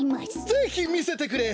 ぜひみせてくれ！